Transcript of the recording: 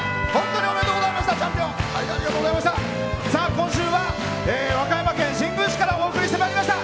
今週は和歌山県新宮市からお送りしてまいりました！